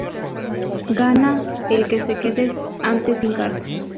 Gana el que se quede antes sin cartas.